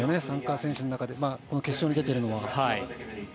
参加選手の中で決勝に出ているのは。